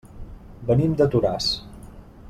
Venim de Toràs.